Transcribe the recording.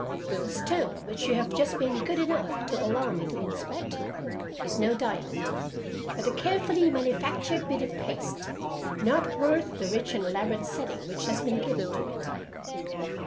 The stone, which you have just been good enough to allow me to inspect, is no diamond, but a carefully manufactured bit of paste not worth the rich and elaborate setting which has been given to it.